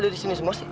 ini disini sih